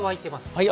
はい。